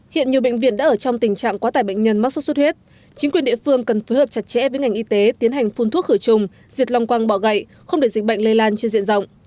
hiện nhiều bệnh viện đã ở trong tình trạng quá tải bệnh nhân mắc sốt xuất huyết chính quyền địa phương cần phối hợp chặt chẽ với ngành y tế tiến hành phun thuốc khử trùng diệt lòng quang bọ gậy không để dịch bệnh lây lan trên diện rộng